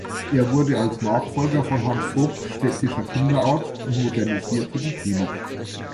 Er wurde als Nachfolger von Hans Vogt städtischer Kinderarzt und modernisierte die Klinik.